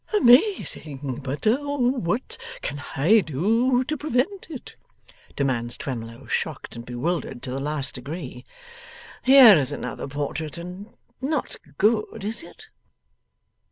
'Amazing! But what can I do to prevent it?' demands Twemlow, shocked and bewildered to the last degree. 'Here is another portrait. And not good, is it?